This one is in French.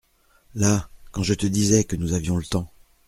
Là ! quand je te disais que nous avions le temps…